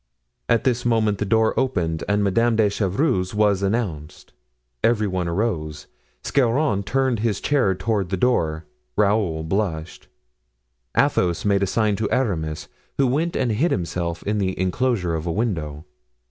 At this moment the door opened and Madame de Chevreuse was announced. Every one arose. Scarron turned his chair toward the door, Raoul blushed, Athos made a sign to Aramis, who went and hid himself in the enclosure of a window.